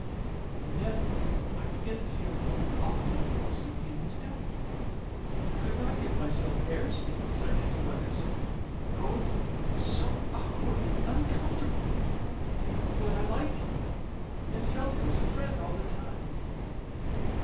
And then I began to feel how awkward it was to be in his debt. I couldn't give myself airs to him as I did to others. Oh! it was so awkward and uncomfortable! But I liked him, and felt him as a friend all the time.